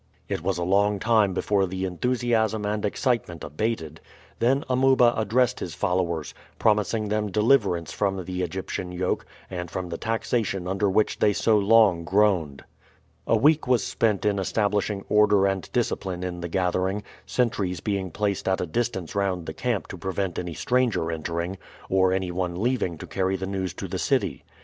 It was a long time before the enthusiasm and excitement abated; then Amuba addressed his followers, promising them deliverance from the Egyptian yoke and from the taxation under which they so long groaned. A week was spent in establishing order and discipline in the gathering, sentries being placed at a distance round the camp to prevent any stranger entering, or any one leaving to carry the news to the city.